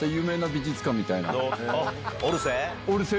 オルセー？